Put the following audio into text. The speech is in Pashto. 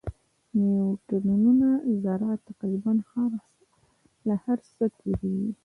د نیوټرینو ذره تقریباً له هر څه تېرېږي.